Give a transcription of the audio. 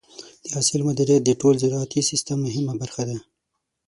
د حاصل مدیریت د ټول زراعتي سیستم مهمه برخه ده.